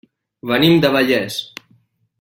Venim de Vallés.